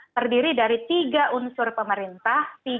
terdiri dari tiga unsur pemerintah